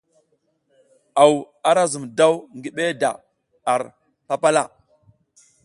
Aw ara zum daw ngi beda ar papala.